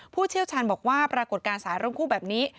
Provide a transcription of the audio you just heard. เชี่ยวชาญบอกว่าปรากฏการณ์สายร่มคู่แบบนี้